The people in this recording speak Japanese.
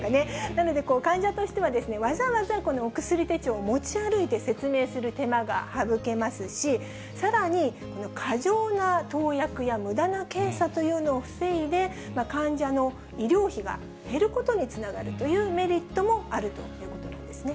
なので患者としてはわざわざこのお薬手帳を持ち歩いて説明する手間が省けますし、さらに、過剰な投薬や、むだな検査というのを防いで、患者の医療費が減ることにつながるというメリットもあるということなんですね。